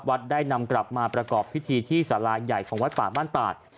ได้นำกลับมาประกอบพิธีที่สาราใหญ่ของวัดป่าบ้านตาด